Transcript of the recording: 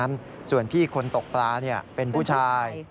ดังนั้นส่วนคนตกปลาเป็นผู้ชาย